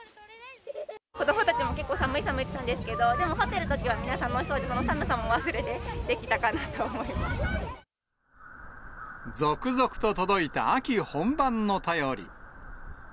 子どもたちも結構、寒い寒いって言ってたんですけど、でも掘ってるときはみんな楽しそうで、その寒さも忘れてできたか続々と届いた秋本番の便り。